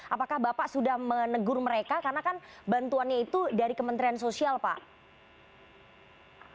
apakah bapak sudah menegur mereka karena kan bantuannya itu dari kementerian sosial pak